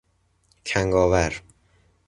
کنگاور